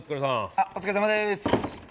あっお疲れさまです。